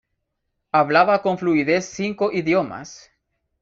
Hablaba con fluidez cinco idiomas.